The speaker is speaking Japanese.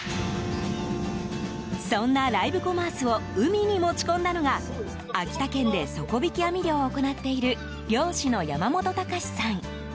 そんなライブコマースを海に持ち込んだのが秋田県で底引き網漁を行っている漁師の山本太志さん。